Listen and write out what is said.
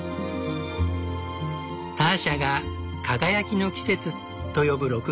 ターシャが「輝きの季節」と呼ぶ６月。